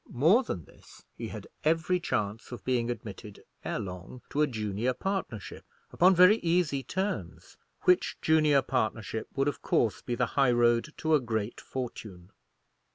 More than this, he had every chance of being admitted ere long to a junior partnership upon very easy terms, which junior partnership would of course be the high road to a great fortune.